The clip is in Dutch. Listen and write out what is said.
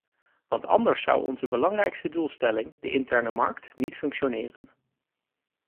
Want anders zou onze belangrijkste doelstelling, de interne markt, niet functioneren.